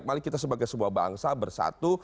mari kita sebagai sebuah bangsa bersatu